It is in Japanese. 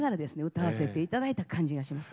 歌わせていただいた感じがします。